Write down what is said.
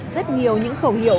rất nhiều những khẩu hiệu